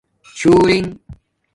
چُھݸرنگ